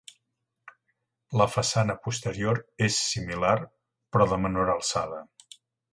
La façana posterior és similar però de menor alçada.